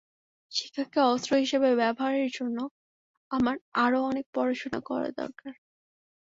শিক্ষাকে অস্ত্র হিসেবে ব্যবহারের জন্য আমার আরও অনেক পড়াশোনা করা দরকার।